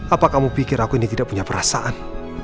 apa kamu pikir aku ini tidak punya perasaan